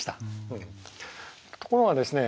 ところがですね